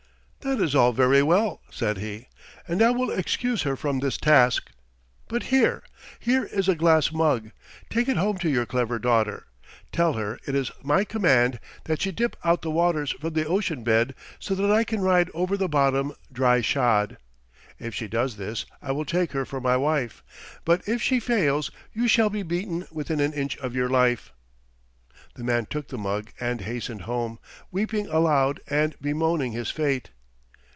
"That is all very well," said he, "and I will excuse her from this task. But here! Here is a glass mug. Take it home to your clever daughter. Tell her it is my command that she dip out the waters from the ocean bed so that I can ride over the bottom dry shod. If she does this, I will take her for my wife, but if she fails you shall be beaten within an inch of your life." The man took the mug and hastened home, weeping aloud and bemoaning his fate.